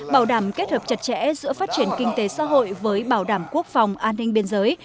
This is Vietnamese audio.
bảo đảm kết hợp chặt chẽ giữa phát triển kinh tế xã hội với bảo đảm quốc phòng an ninh biên giới